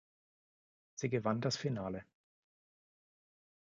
Sie gewann das Finale.